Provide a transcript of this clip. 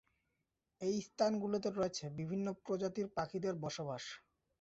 এই স্থানগুলোতে রয়েছে বিভিন্ন প্রজাতির পাখিদের বসবাস।